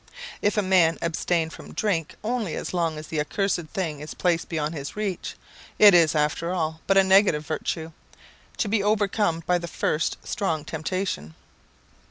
If a man abstain from drink only as long as the accursed thing is placed beyond his reach, it is after all but a negative virtue, to be overcome by the first strong temptation.